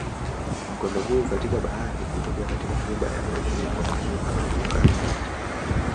Mkondo huu katika bahari hutokea katika ghuba ya Meksiko na kuvuka Atlantiki.